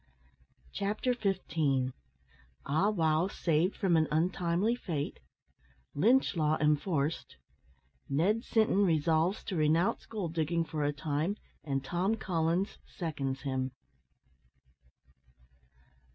CHAPTER FIFTEEN. AH WOW SAVED FROM AN UNTIMELY FATE LYNCH LAW ENFORCED NED SINTON RESOLVES TO RENOUNCE GOLD DIGGING FOR A TIME, AND TOM COLLINS SECONDS HIM.